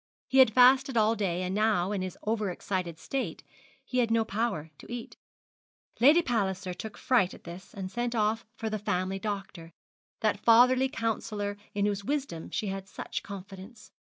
He had fasted all day, and now, in his over excited state, he had no power to eat. Lady Palliser took fright at this, and sent off for the family doctor, that fatherly counsellor in whose wisdom she had such confidence.